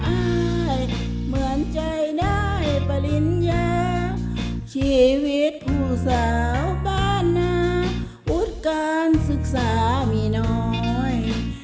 อายเหมือนใจได้ปริญญาชีวิตผู้สาวบ้านนาวุฒิการศึกษามีน้อย